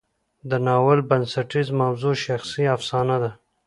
د ناول بنسټیزه موضوع شخصي افسانه ده.